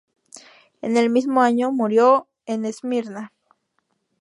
En el mismo año murió en Esmirna.